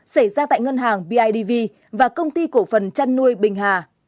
xảy ra tại ngân hàng bidv và công ty cổ phần chăn nuôi bình hà